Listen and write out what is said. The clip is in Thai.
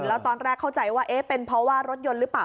แล้วตอนแรกเข้าใจว่าเอ๊ะเป็นเพราะว่ารถยนต์หรือเปล่า